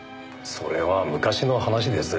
それは昔の話です。